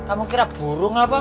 kamu kira burung apa